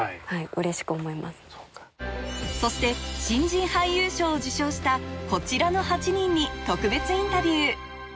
そして新人俳優賞を受賞したこちらの８人に特別インタビュー